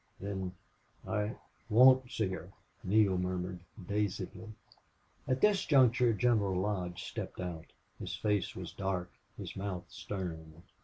"Then I won't see her!" Neale murmured, dazedly. At this juncture General Lodge stepped out. His face was dark, his mouth stern.